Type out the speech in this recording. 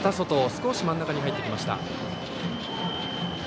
少し真ん中に入ってきました。